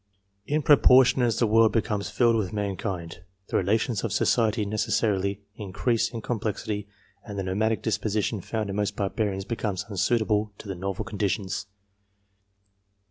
In proportion as the world becomes filled with mankind, the relations of society necessarily increase in complexity, and the nomadic disposition found in most barbarians becomes unsuitable to the novel conditions.